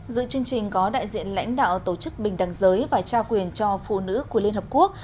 dự chương trình có đại diện lãnh đạo tổ chức bình đẳng giới và trao quyền cho phụ nữ của liên hợp quốc